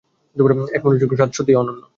এর মুখরোচক স্বাদ সত্যিই অনন্য।